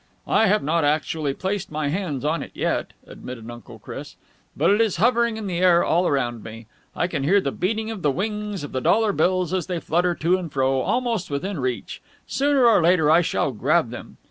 "I have not actually placed my hands on it yet," admitted Uncle Chris. "But it is hovering in the air all round me. I can hear the beating of the wings of the dollar bills as they flutter to and fro, almost within reach. Sooner or later I shall grab them.